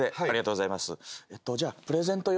ありがとうございます。